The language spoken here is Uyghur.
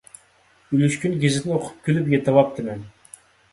ئۈلۈشكۈن گېزىتنى ئوقۇپ كۈلۈپ يېتىۋاپتىمەن.